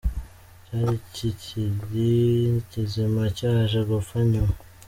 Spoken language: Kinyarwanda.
cyari kikiri kizima cyaje gupfa nyuma.